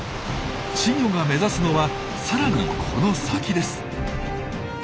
稚魚が目指すのはさらにこの先です。